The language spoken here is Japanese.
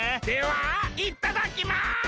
ではいっただっきます！